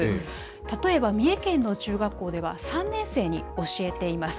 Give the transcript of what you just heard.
例えば、三重県の中学校では、３年生に教えています。